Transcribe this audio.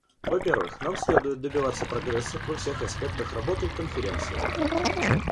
Во-первых, нам следует добиваться прогресса во всех аспектах работы Конференции.